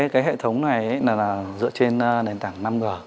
cái hệ thống này là dựa trên nền tảng năm g